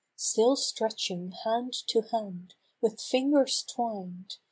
Still stretching hand to hand, with fingers twined.